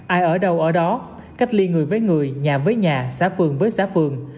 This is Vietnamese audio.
ai ở đâu ở đó cách ly người với người nhà với nhà xá phường với xá phường